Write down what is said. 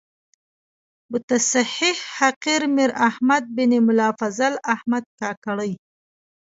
بتصحیح حقیر میر احمد بن ملا فضل احمد کاکړي.